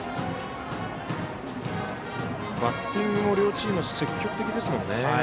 バッティングも両チーム、積極的ですね。